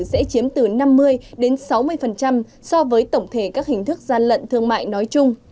sẽ chiếm từ năm mươi đến sáu mươi so với tổng thể các hình thức gian lận thương mại nói chung